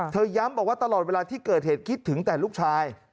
ย้ำบอกว่าตลอดเวลาที่เกิดเหตุคิดถึงแต่ลูกชาย